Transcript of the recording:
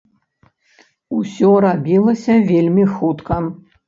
Усё рабілася вельмі хутка.